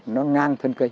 nó ngang thân cây